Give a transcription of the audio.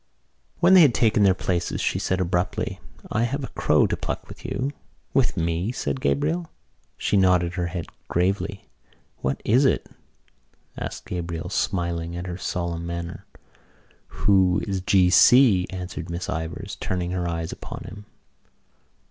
When they had taken their places she said abruptly: "I have a crow to pluck with you." "With me?" said Gabriel. She nodded her head gravely. "What is it?" asked Gabriel, smiling at her solemn manner. "Who is G. C.?" answered Miss Ivors, turning her eyes upon him.